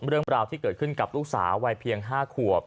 เรื่องราวที่เกิดขึ้นกับลูกสาววัยเพียง๕ขวบ